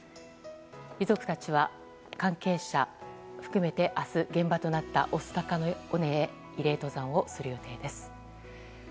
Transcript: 遺族たちは関係者含めて、明日現場となった御巣鷹の尾根へ慰霊登山をする予定です。